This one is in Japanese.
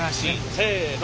せの。